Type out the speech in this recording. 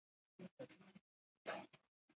بامیان د افغانستان د اجتماعي جوړښت برخه ده.